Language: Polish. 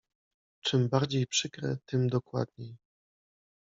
„Czym bardziej przykre, tym dokładniej.